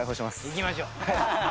いきましょう。